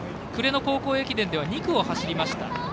暮れの高校駅伝では２区を走りました。